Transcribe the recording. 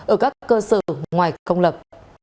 ở các cơ sở ngoài công lập